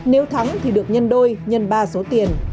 nếu thắng thì được nhân đôi nhân ba số tiền